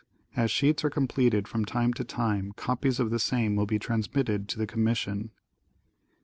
As sheets are completed from time to time copies of the same will be transmitted to the commission.